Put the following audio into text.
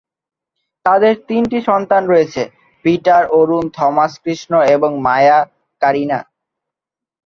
তাদের তিনটি সন্তান রয়েছে: পিটার অরুণ, থমাস কৃষ্ণ এবং মায়া কারিনা।